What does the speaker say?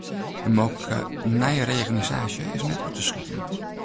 In mooglike nije reorganisaasje is net út te sluten.